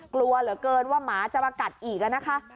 กลัวเหลือเกินว่าหมาจะมากัดอีกนะคะ